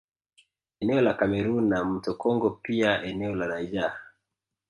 Eneo la Cameroon na mto Congo pia eneo la Niger